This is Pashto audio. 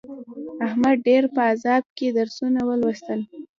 احمد ډېر په عذاب کې درسونه ولوستل.